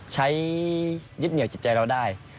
ใช้ยึดเหนียวจิตใจเราได้